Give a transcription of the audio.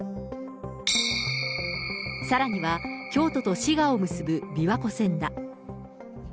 さらには京都と滋賀を結ぶ琵琶湖線だ。